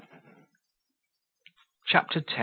CHAPTER X.